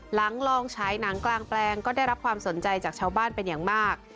ลองใช้หนังกลางแปลงก็ได้รับความสนใจจากชาวบ้านเป็นอย่างมาก